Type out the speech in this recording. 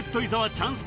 チャンス